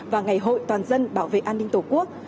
và ngày hội toàn dân bảo vệ an ninh tổ quốc